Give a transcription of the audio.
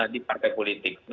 di partai politik